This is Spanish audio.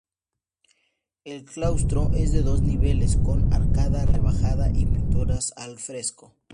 El claustro es de dos niveles con arcada rebajada y pinturas al fresco.